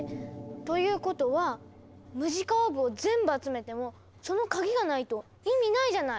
ということはムジカオーブを全部集めてもその鍵がないと意味ないじゃない！